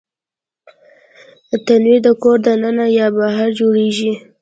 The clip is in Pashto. تنور د کور دننه یا بهر جوړېږي